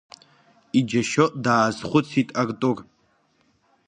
Иџьашьо даазхәыцит Артур.